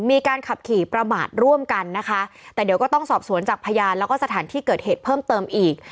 มีการขับขี่ประมาทร่วมกันนะคะแต่เดี๋ยวก็ต้องสอบสวนจากพยานแล้วก็สถานที่เกิดเหตุเพิ่มเติมอีก